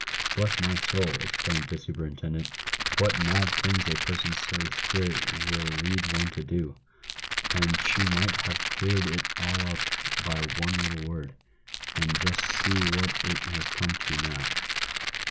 " Bless my soul !" explaimed the superintendent, " what mad things a person's silly spirit will lead one to do ! And she might have cleared PAYED WITH GOLD. 23 it all up by one little word. And just see what it has come to, now.